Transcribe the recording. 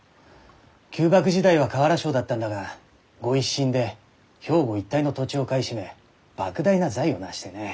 旧幕時代は瓦商だったんだが御一新で兵庫一帯の土地を買い占め莫大な財を成してね。